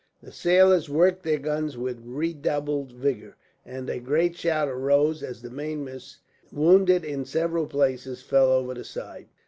The sailors worked their guns with redoubled vigour, and a great shout arose as the mainmast, wounded in several places, fell over the side.